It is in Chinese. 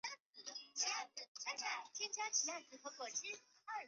美嘉广场近年来也进行提升工程以吸引更多商家入住。